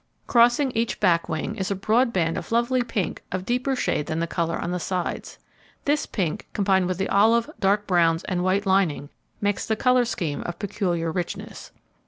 Crossing each back wing is a broad band of lovely pink of deeper shade than the colour on the sides. This pink, combined with the olive, dark browns, and white lining, makes the colour scheme of peculiar richness.